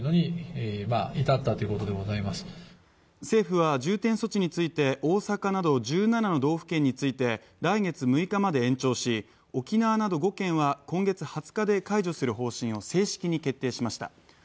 政府は重点措置について大阪など１７の道府県について来月６日まで延長し、沖縄など５県は今月２０日で解除する方針を正式に決定しました。